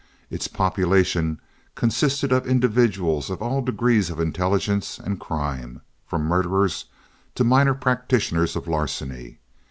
Its population consisted of individuals of all degrees of intelligence and crime, from murderers to minor practitioners of larceny.